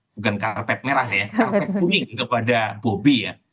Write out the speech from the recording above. bukan karpet merah ya karpet kuning kepada bobi ya